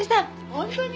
本当に？